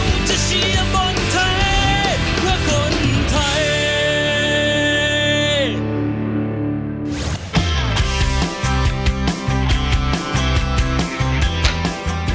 จะเชียร์บอลแท้เพื่อคนไทย